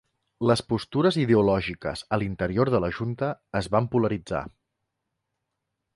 Les postures ideològiques a l'interior de la Junta es van polaritzar.